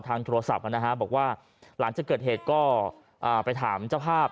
โทรศัพท์นะฮะบอกว่าหลังจากเกิดเหตุก็ไปถามเจ้าภาพ